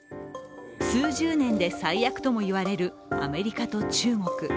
数十年で最悪ともいわれるアメリカと中国。